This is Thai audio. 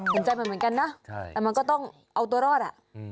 เห็นใจมันเหมือนกันนะแต่มันก็ต้องเอาตัวรอดอ่ะ